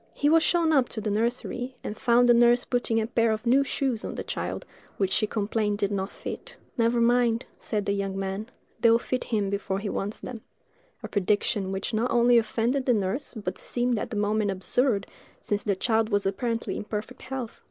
He was shown up to the nursery, and found the nurse putting a pair of new shoes on the child, which she complained did not fit. "Never mind," said the young man, "they will fit him before he wants them"—a prediction which not only offended the nurse, but seemed at the moment absurd, since the child was apparently in perfect health.